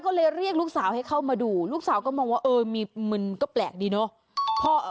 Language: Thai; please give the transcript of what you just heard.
ก็เลยเรียกลูกสาวให้เข้ามาดูลูกสาวก็มองว่าเออมีมันก็แปลกดีเนอะ